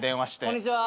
こんにちは。